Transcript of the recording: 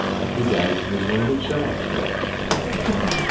He died from his wound at Charlottesville.